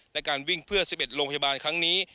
และการวิ่งเพื่อ๑๑โรงพยาบาลครั้งนี้